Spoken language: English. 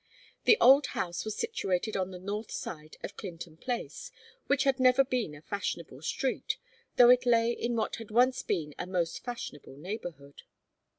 The old house was situated on the north side of Clinton Place, which had never been a fashionable street, though it lay in what had once been a most fashionable neighbourhood.